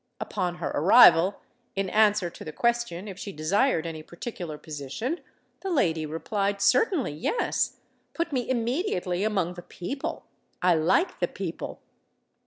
Upon her arrival, in answer to the question if she desired any particular position, the lady replied, "Certainly, yes. Put me immediately among the people. I like the people."